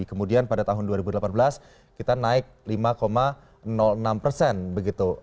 kemudian pada tahun dua ribu delapan belas kita naik lima enam persen begitu